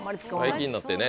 最近になってね